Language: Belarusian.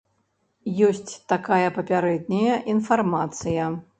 Ёсць такая папярэдняя інфармацыя.